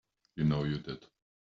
You know you did.